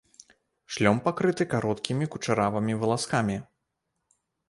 Шлём пакрыты кароткімі кучаравымі валаскамі.